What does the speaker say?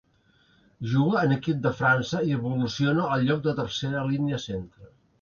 Juga en equip de França i evoluciona al lloc de tercera línia centre.